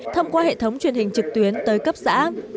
thông qua hệ thống truyền hình trực tuyến tới cấp xã